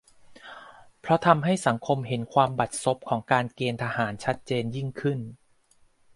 เพราะทำให้สังคมเห็นความบัดซบของการเกณฑ์ทหารชัดเจนยิ่งขึ้น